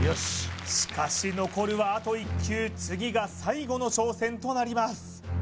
しかし残るはあと１球次が最後の挑戦となります